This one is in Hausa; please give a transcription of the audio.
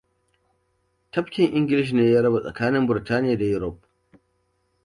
Tafkin English ne ya raba tsakanin Birtaniya da Europe.